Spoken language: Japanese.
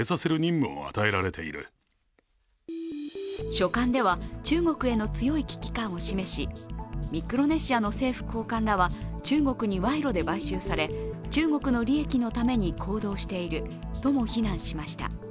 書簡では中国への強い危機感を示しミクロネシアの政府高官らは中国に賄賂で買収され、中国の利益のために行動しているとも非難しました。